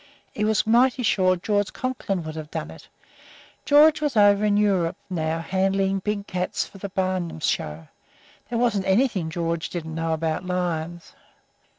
He was mighty sure George Conklin would have done it. George was over in Europe now handling big cats for the Barnum show. There wasn't anything George didn't know about lions.